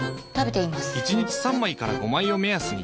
１日３枚から５枚を目安に。